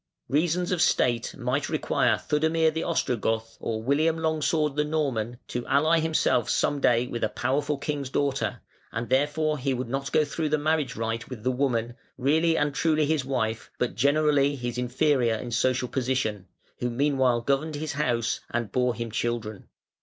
Reasons of state might require Theudemir the Ostrogoth, or William Longsword the Norman, to ally himself some day with a powerful king's daughter, and therefore he would not go through the marriage rite with the woman, really and truly his wife, but generally his inferior in social position, who meanwhile governed his house and bore him children.